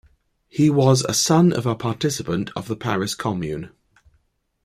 He was a son of a participant of the Paris Commune.